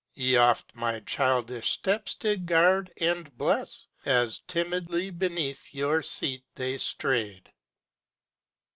Ye oft my childish steps did guard and bless, As timidly beneath your seat they strayed.